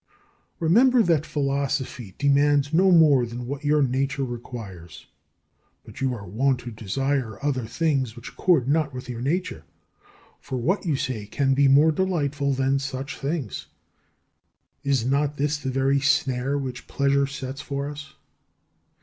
Remember that Philosophy demands no more than what your nature requires. But you are wont to desire other things which accord not with your nature. "For what," you say, "can be more delightful than such things?" Is not this the very snare which Pleasure sets for us?